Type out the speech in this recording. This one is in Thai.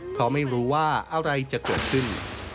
เพราะไม่รู้ว่าอะไรจะเกิดขึ้น